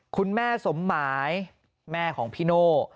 คุณแม่สมหมายแม่ของพี่โน่